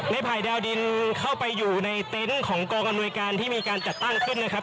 ภายดาวดินเข้าไปอยู่ในเต็นต์ของกองอำนวยการที่มีการจัดตั้งขึ้นนะครับ